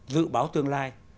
dự báo tương lai